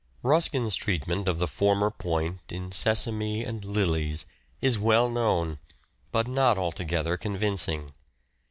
Ruskin's treatment of the former point in " Sesame and Lilies " is well known, but not altogether con vincing.